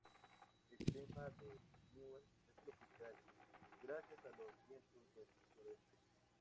El clima de Niue es tropical, gracias a los vientos del sureste.